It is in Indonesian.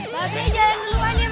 babi jalan duluan ya babi